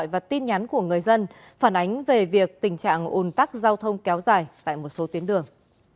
và tin nhắn của người dân phản ánh về việc tình trạng ồn tắc giao thông kéo dài tại một số tuyến đường